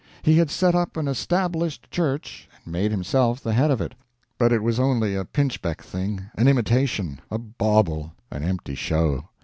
He had set up an Established Church and made himself the head of it. But it was only a pinchbeck thing, an imitation, a bauble, an empty show.